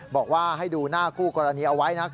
บอกว่าให้ดูหน้าคู่กรณีเอาไว้นะ